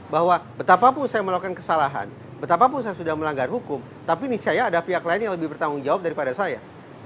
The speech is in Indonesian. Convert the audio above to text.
bahwa betapapun saya melakukan kesalahan betapapun saya sudah melanggar hukum tapi niscaya ada pihak lain yang lebih bertanggung jawab daripada saya